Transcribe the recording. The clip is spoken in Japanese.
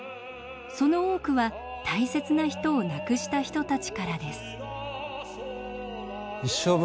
その多くは大切な人を亡くした人たちからです。